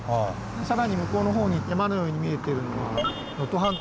更に向こうの方に山のように見えているのは能登半島。